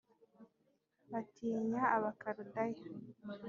batinyaga Abakaludaya